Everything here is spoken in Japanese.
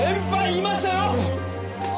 いましたよ！